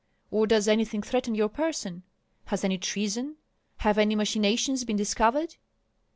Or does anything threaten your person? Has any treason, have any machinations been discovered?"